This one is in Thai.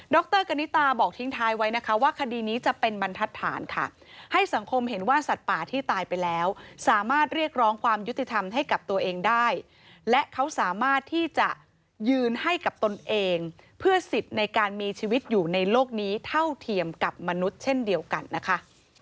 กณิตาบอกทิ้งท้ายไว้นะคะว่าคดีนี้จะเป็นบรรทัศน์ค่ะให้สังคมเห็นว่าสัตว์ป่าที่ตายไปแล้วสามารถเรียกร้องความยุติธรรมให้กับตัวเองได้และเขาสามารถที่จะยืนให้กับตนเองเพื่อสิทธิ์ในการมีชีวิตอยู่ในโลกนี้เท่าเทียมกับมนุษย์เช่นเดียวกันนะคะ